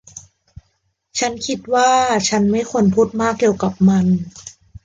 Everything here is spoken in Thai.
ฉันคิดว่าฉันไม่ควรพูดมากเกี่ยวกับมัน